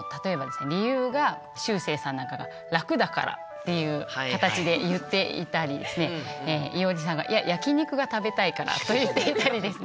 理由がしゅうせいさんなんかが「楽だから」っていう形で言っていたりですねいおりさんが「焼き肉が食べたいから」と言っていたりですね